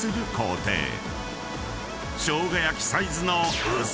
［しょうが焼サイズの］